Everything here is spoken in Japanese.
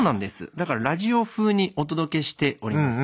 だからラジオ風にお届けしております。